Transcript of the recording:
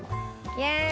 イエーイ！